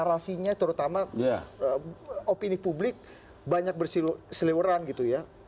aslinya terutama opini publik banyak bersiluran gitu ya